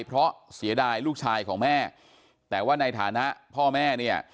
เพราะเสียดายลูกชายของแม่แต่ว่าในฐานะพ่อแม่เนี่ย